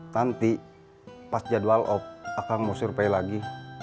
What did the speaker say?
nanti pas jadwal off akang mau survei lagi